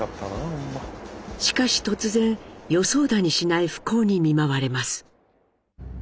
しかし突然予想だにしない不幸に見舞われます。